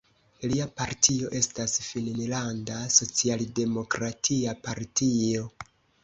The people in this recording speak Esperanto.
Lia partio estas Finnlanda socialdemokratia partio.